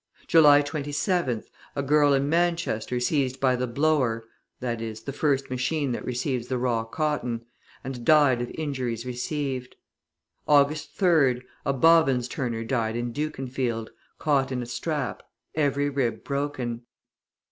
July 27th, a girl in Manchester seized by the blower (the first machine that receives the raw cotton), and died of injuries received. August 3rd, a bobbins turner died in Dukenfield, caught in a strap, every rib broken.